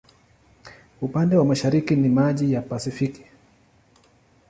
Upande wa mashariki ni maji ya Pasifiki.